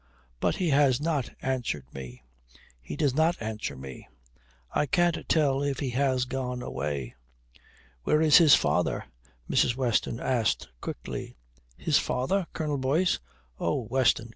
But he has not answered me. He does not answer me. I can't tell if he has gone away." "Where is his father?" Mrs. Weston asked quickly. "His father? Colonel Boyce? Oh, Weston!